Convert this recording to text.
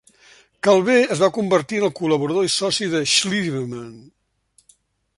Calver es va convertir en el col·laborador i soci de Schliemann.